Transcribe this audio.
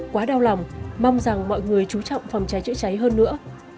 quá đau lòng mong rằng mọi người chú trọng phòng cháy chữa cháy hơn nữa